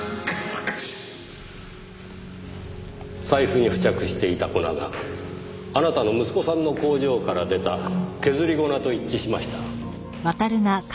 財布に付着していた粉があなたの息子さんの工場から出た削り粉と一致しました。